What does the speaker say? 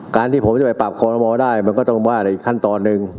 ที่ผมจะไปปรับคอลโมได้มันก็ต้องว่าในอีกขั้นตอนหนึ่ง